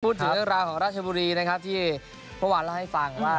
พูดถึงเรื่องราวของราชบุรีที่เมืองวานล่ะให้ฟังว่า